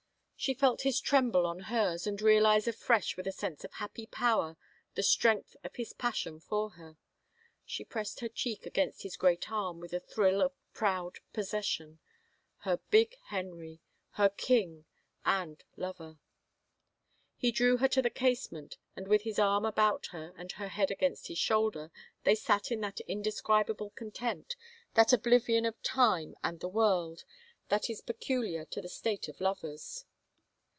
She felt his tremble on hers and realized afresh with a sense of happy power the strength of his passion for her. She pressed her cheek against his great arm with a thrill of proud possession. Her big Henry ! Her king and lover! He drew her to the casement, and with his arm about her and her head against his shoulder, they sat in that indescribable content, that oblivion of time and the world, that is peculiar to the state of lovers.